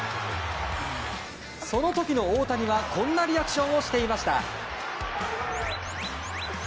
その時の大谷はこんなリアクションをしていました。